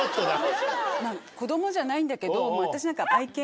子供じゃないんだけど私なんか。